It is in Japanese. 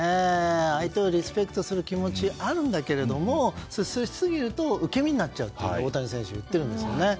相手をリスペクトする気持ちもあるんだけどし過ぎると受け身になっちゃうと大谷選手は言ってるんですよね。